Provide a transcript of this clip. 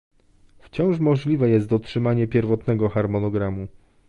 Wciąż możliwe jest dotrzymanie pierwotnego harmonogramu